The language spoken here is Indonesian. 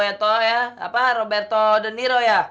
etoh ya apa roberto de niro ya